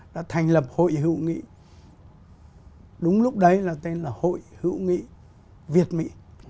đã thành lập hội hữu nghị đúng lúc đấy là tên là hội hữu nghị việt mỹ